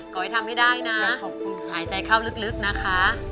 ขอให้ทำให้ได้นะขอบคุณหายใจเข้าลึกนะคะ